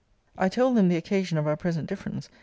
'I told them the occasion of our present difference.